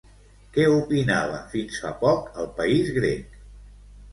Què opinava fins fa poc el país grec?